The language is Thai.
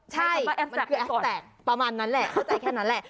ใช่ประมาณนั้นแหละเข้าใจแค่นั้นแหละ